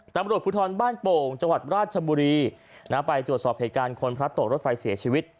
ตำรวจภูทรบ้านโป่งจังหวัดราชบุรีไปตรวจสอบเหตุการณ์คนพระตกรถไฟเสียชีวิต